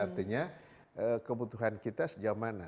artinya kebutuhan kita sejauh mana